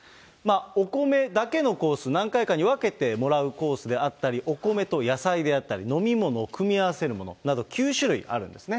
お米だけのコース、何回かに分けてもらうコースであったり、お米と野菜であったり、飲み物を組み合わせるものなど９種類あるんですね。